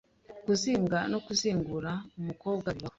Kuzinga no kuzingura umukobwa bibaho